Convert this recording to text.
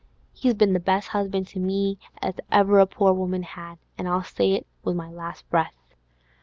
He's been the best 'usband to me as ever a poor woman had, an' I'll say it with my last breath.